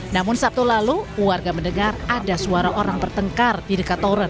namun sabtu lalu warga mendengar ada suara orang bertengkar di dekat toron